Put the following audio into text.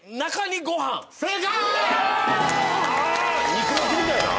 肉巻きみたいな？